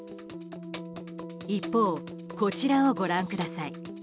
一方、こちらをご覧ください。